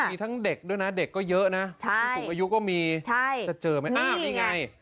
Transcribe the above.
มีทั้งเด็กด้วยนะเด็กก็เยอะนะผู้สูงอายุก็มีจะเจอไหมอ้าวนี่ไง